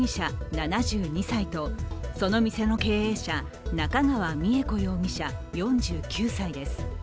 ７２歳とその店の経営者、中川三悦子容疑者４９歳です。